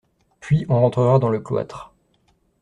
Puis on rentrera dans le cloître.